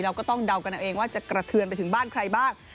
ก็ต้องเดากันเอาเองว่าจะกระเทือนไปถึงบ้านใครบ้าง